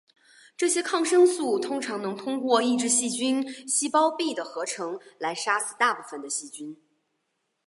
这些抗生素通常能通过抑制细菌细胞壁的合成来杀死大部分的细菌。